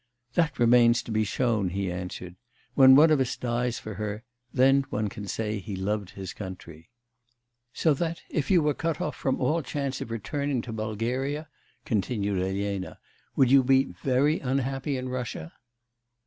'That remains to be shown,' he answered. 'When one of us dies for her, then one can say he loved his country.' 'So that, if you were cut off all chance of returning to Bulgaria,' continued Elena, 'would you be very unhappy in Russia?